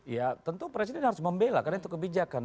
ya tentu presiden harus membela karena itu kebijakan